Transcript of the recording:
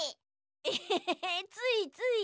エヘヘついつい。